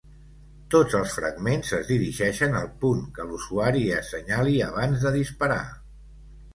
Tots els fragments es dirigeixen al punt que l'usuari assenyali abans de disparar.